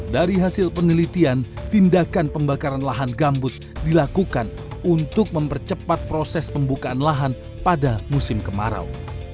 dari hasil penelitian tindakan pembakaran lahan gambut dilakukan untuk mempercepat proses pembukaan lahan pada musim kemarau